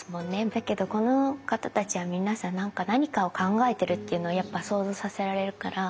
だけどこの方たちは皆さん何かを考えてるっていうのをやっぱ想像させられるから。